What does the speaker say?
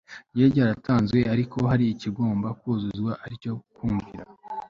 ryari ryaratanzwe ariko hari ikigomba kuzuzwa ari cyo kumvira